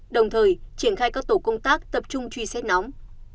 đồng thời triển khai các tổ công tác tập trung truy xét nóng